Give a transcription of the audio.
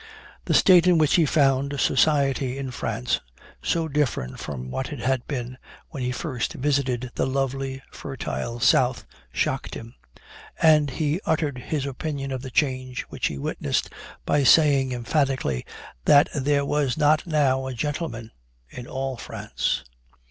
The state in which he found society in France so different from what it had been, when he first visited 'the lovely, fertile south,' shocked him; and he uttered his opinion of the change which he witnessed, by saying, emphatically, 'that there was not now a gentleman in all France.'